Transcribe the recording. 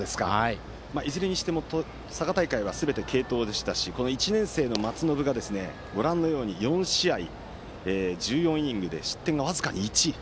いずれにしても佐賀大会はすべて継投でしたしこの１年生の松延が４試合１４イニングで失点僅か１。